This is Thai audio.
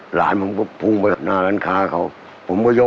ขาผมขาดลงแรง